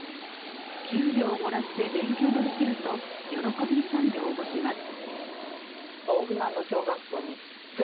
給料をもらって勉強もできると喜び勇んで応募します。